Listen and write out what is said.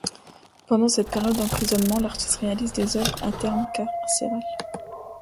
Pendant cette période d'emprisonnement l'artiste réalise des œuvres à thème carcéral.